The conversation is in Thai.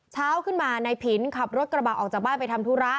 เช้าขึ้นมานายผินขับรถกระบะออกจากบ้านไปทำธุระ